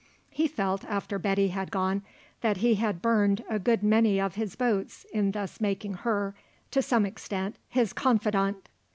He felt, after Betty had gone, that he had burned a good many of his boats in thus making her, to some extent, his confidant.